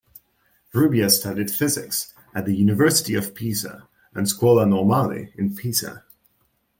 Rubbia studied physics at the University of Pisa and Scuola Normale in Pisa.